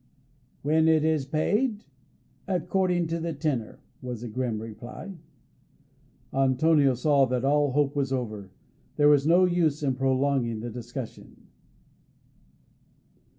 "When it is paid according to the tenor," was the grim reply. Antonio saw that all hope was over; there was no use in prolonging the discussion.